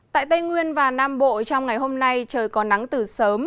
tại tây nguyên và nam bộ trong ngày hôm nay trời có nắng từ sớm